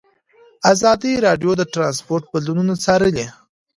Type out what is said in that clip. ازادي راډیو د ترانسپورټ بدلونونه څارلي.